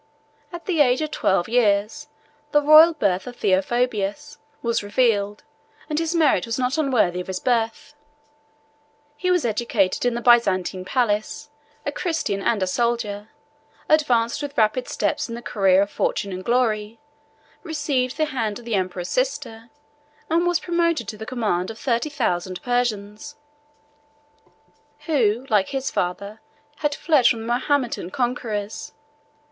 At the age of twelve years, the royal birth of Theophobus was revealed, and his merit was not unworthy of his birth. He was educated in the Byzantine palace, a Christian and a soldier; advanced with rapid steps in the career of fortune and glory; received the hand of the emperor's sister; and was promoted to the command of thirty thousand Persians, who, like his father, had fled from the Mahometan conquerors.